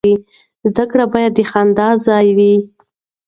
زده کړه باید د خندا ځای وي.